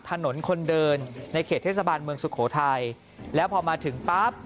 ถนนคนเดินในเขตเทศบาลเมืองสุโขทัยแล้วพอมาถึงปั๊บ